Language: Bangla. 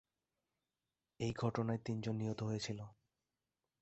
এই ঘটনায় তিনজন নিহত হয়েছিল।